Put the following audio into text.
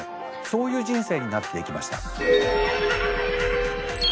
そういう人生になっていきました。